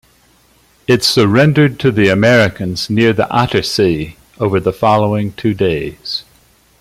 It surrendered to the Americans near the Attersee over the following two days.